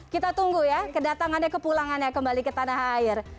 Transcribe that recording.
kita tunggu ya kedatangannya kepulangannya kembali ke tanah air